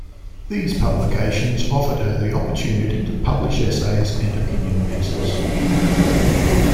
These publications offered her the opportunity to publish essays and opinion pieces.